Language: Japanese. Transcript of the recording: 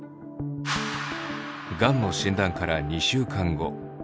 がんの診断から２週間後。